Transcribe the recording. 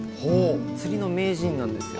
釣りの名人なんですよ。